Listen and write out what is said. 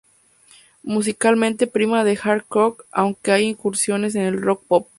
Musicalmente, prima el hard rock, aunque hay incursiones en el rock pop.